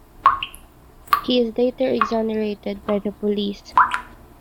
He is later exonerated by the police.